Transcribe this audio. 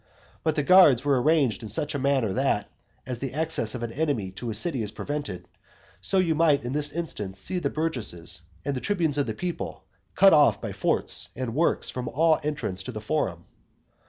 But the guards were arranged in such a manner, that, as the access of an enemy to a city is prevented, so you might in this instance see the burgesses and the tribunes of the people cut off by forts and works from all entrance to the forum.